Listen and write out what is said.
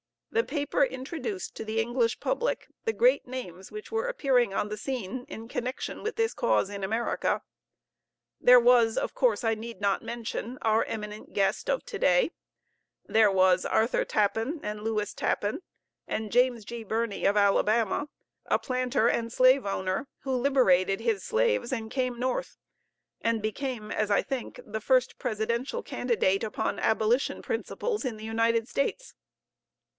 The paper introduced to the English public the great names which were appearing on the scene in connection with this cause in America. There was, of course I need not mention, our eminent guest of to day; there was Arthur Tappan, and Lewis Tappan, and James G. Birney of Alabama, a planter and slave owner, who liberated his slaves and came north, and became, as I think, the first presidential candidate upon abolition principles in the United States.